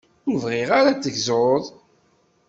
Ur bɣiɣ ara ad tegzuḍ.